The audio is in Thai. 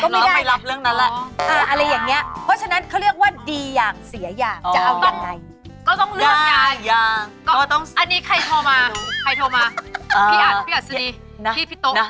ก็ต้องเลือกอย่างอันนี้ใครโทรมาพี่อัดพี่อัดซีดีพี่โต๊ะ